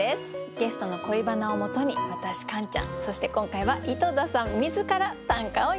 ゲストの恋バナをもとに私カンちゃんそして今回は井戸田さん自ら短歌を詠みます。